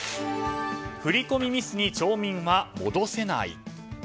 振り込みミスに町民は戻せない。